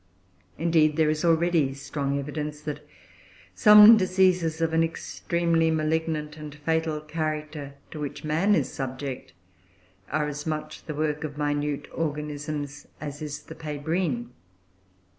Indeed, there is already strong evidence that some diseases of an extremely malignant and fatal character to which man is subject, are as much the work of minute organisms as is the Pébrine.